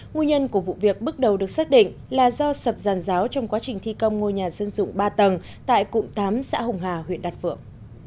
nguyên nhân của vụ việc bước đầu được xác định là do sập giàn giáo trong quá trình thi công ngôi nhà dân dụng ba tầng tại cụm tám xã hồng hà huyện đạt phượng